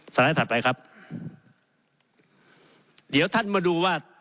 ไลด์ถัดไปครับเดี๋ยวท่านมาดูว่า